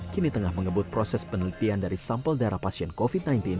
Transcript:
kini tengah mengebut proses penelitian dari sampel darah pasien covid sembilan belas